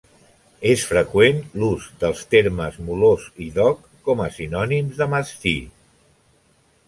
És freqüent l'ús dels termes molós i dog com a sinònims de mastí.